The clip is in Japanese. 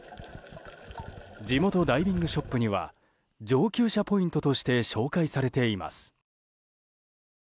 地元ダイビングショップには上級者ポイントとして紹介されています。